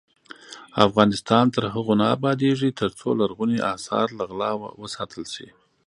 افغانستان تر هغو نه ابادیږي، ترڅو لرغوني اثار له غلا وساتل شي.